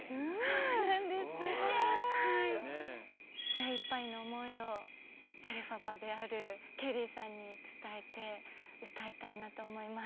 精いっぱいの思いをエルファバであるケリーさんに伝えて歌いたいなと思います。